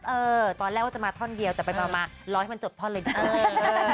เออตอนแรกว่าจะมาท่อนเดียวแต่ไปมารอให้มันจบท่อนเลยนะ